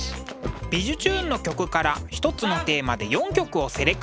「びじゅチューン！」の曲から一つのテーマで４曲をセレクト。